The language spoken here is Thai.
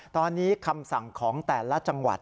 ตอนนี้คำสั่งของแต่ละจังหวัด